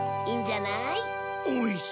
いいんじゃない？